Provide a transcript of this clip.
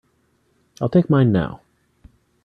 I'll take mine now.